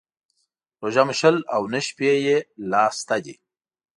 روژه مو شل او نه شپې يې لا سته دى.